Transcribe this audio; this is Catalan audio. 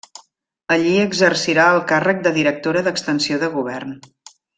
Allí exercirà el càrrec de Directora d'extensió de Govern.